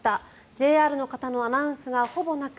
ＪＲの方のアナウンスがほぼなく